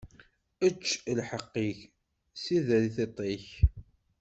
Ečč lḥeqq-ik, sider i tiṭ-ik.